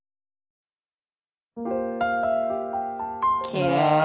きれい！